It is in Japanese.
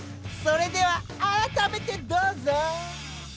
それではあらためてどうぞ！